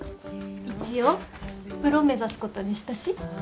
一応プロ目指すことにしたし。